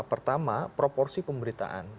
pertama proporsi pemberitaan